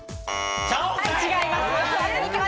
違います。